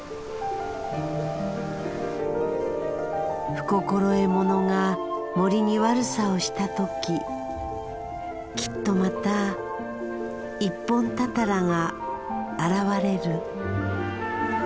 不心得者が森に悪さをした時きっとまた一本たたらが現れる。